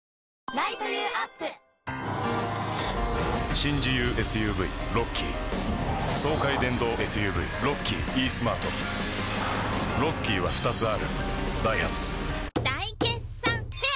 新自由ＳＵＶロッキー爽快電動ＳＵＶロッキーイースマートロッキーは２つあるダイハツ大決算フェア